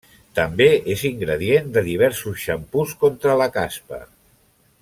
També és ingredient de diversos xampús contra la caspa.